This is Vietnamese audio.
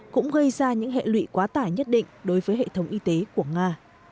cũng gây ra những hệ lụy quá tải nhất định đối với hệ thống y tế của nga